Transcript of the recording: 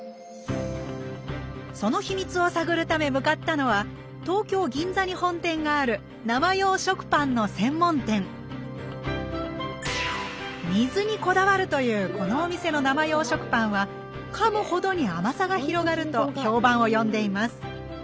その秘密を探るため向かったのは東京銀座に本店がある生用食パンの専門店「水」にこだわるというこのお店の生用食パンはかむほどに甘さが広がると評判を呼んでいます